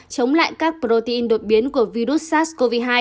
chống lại các protein đột biến của virus sars cov hai